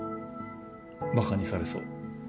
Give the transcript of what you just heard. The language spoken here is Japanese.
ばかにされそう。